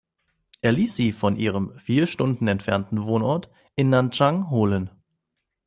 Er ließ sie von ihrem vier Stunden entfernten Wohnort in Nanchang holen.